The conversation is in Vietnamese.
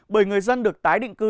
bởi người dân được tái định cư